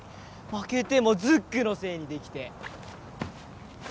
負けてもズックのせいにできて。